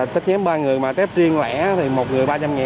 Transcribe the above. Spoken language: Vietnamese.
test nhóm ba người mà test riêng lẻ thì một người ba trăm linh